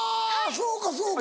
そうかそうか！